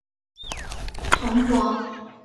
惟故博徒日至纵博。